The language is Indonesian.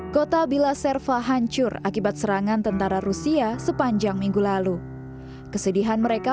kota bila serva hancur akibat serangan tentara rusia sepanjang minggu lalu kesedihan mereka